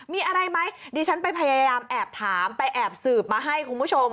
มีอะไรไหมดิฉันไปพยายามแอบถามไปแอบสืบมาให้คุณผู้ชม